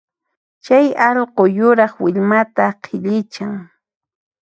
Chay allqu yuraq willmata qhillichan